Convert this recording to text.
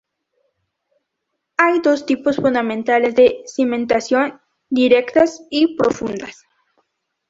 Hay dos tipos fundamentales de cimentación: directas y profundas.